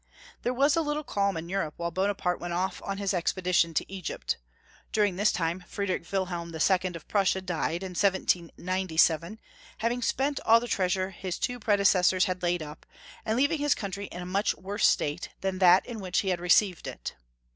There was a little calm in Europe while Bona parte went off on his expedition to Egypt. During this time Friedrich Wilhelm II. of Prussia died, in 1797, having apent all the treasure his two predecessors had laid up, and leaving his country in a much worse state than that in wliich he had received it.